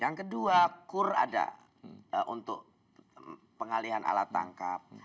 yang kedua kur ada untuk pengalihan alat tangkap